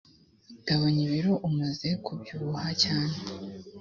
gabanya ibiro umaze kubyubuha cyane